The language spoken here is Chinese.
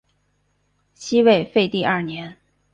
西魏废帝二年。